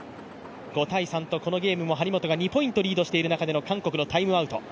５−３とこのゲームも張本が２ポイントリードしている中の韓国のタイムアウト。